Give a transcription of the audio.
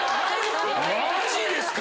マジですか？